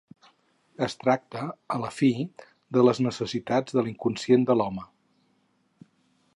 Es tracta, a la fi, de les necessitats de l’inconscient de l’home.